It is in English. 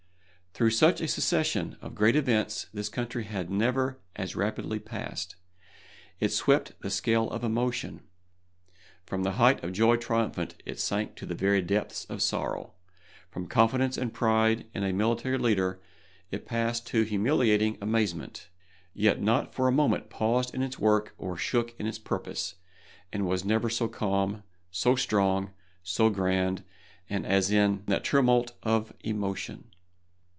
Through such a succession of great events this country had never as rapidly passed. It swept the scale of emotion. From the height of joy triumphant it sank to the very depths of sorrow, from confidence and pride in a military leader it passed to humiliating amazement, yet not for a moment paused in its work or shook in its purpose, and was never so calm, so strong, so grand, as in that tumult of emotion.